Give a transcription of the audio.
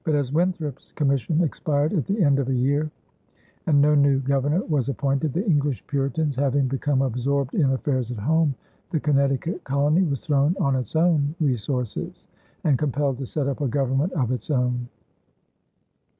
But as Winthrop's commission expired at the end of a year and no new governor was appointed the English Puritans having become absorbed in affairs at home the Connecticut colony was thrown on its own resources and compelled to set up a government of its own.